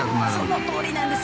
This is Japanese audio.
そのとおりなんです。